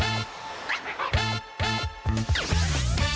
เอาไปเกี่ยวกัน